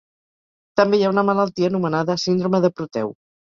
També hi ha una malaltia anomenada síndrome de Proteu.